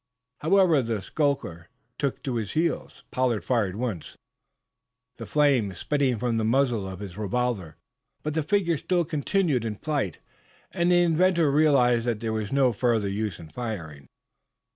However, the skulker took to his heels. Pollard fired once, the flame spitting from the muzzle of his revolver. But the figure still continued in flight, and the inventor realized that there was no further use in firing.